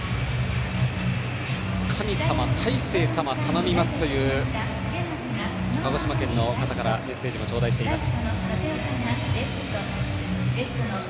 神様、大勢様、頼みますという鹿児島県の方からのメッセージもちょうだいしています。